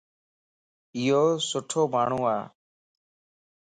ايو سٺو ماڻھو ا